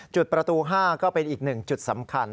จุดประตู๕ก็เป็นอีกหนึ่งจุดสำคัญ